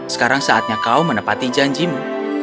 sekarang saatnya kau menepati janjimu